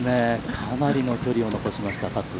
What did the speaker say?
かなりの距離を残しました、勝。